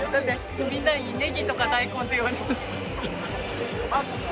みんなにネギとか大根って言われます。